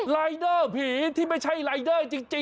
รายเด้อผีที่ไม่ใช่รายเด้อจริงหนะ